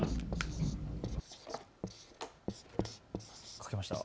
描けました？